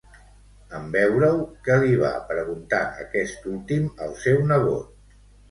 En veure-ho, què li va preguntar aquest últim al seu nebot?